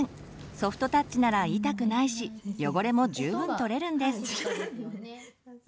ソフトタッチなら痛くないし汚れも十分取れるんです。